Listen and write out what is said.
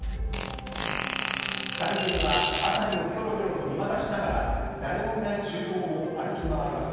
２人組は辺りをきょろきょろと見回しながら誰もいない厨房を歩き回ります。